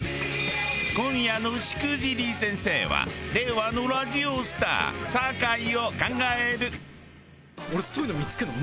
今夜の『しくじり先生』は令和のラジオスター酒井を考える。